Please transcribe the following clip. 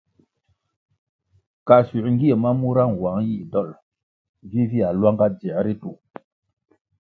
Kasuer ngie ma mura nwang yih dol vivia luanga dzier ritu.